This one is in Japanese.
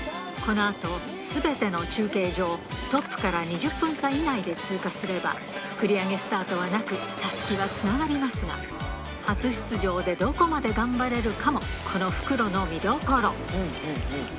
このあと、すべての中継所をトップから２０分差以内で通過すれば、繰り上げスタートはなく、たすきはつながりますが、初出場でどこまで頑張れるかも、この復路の見どころ。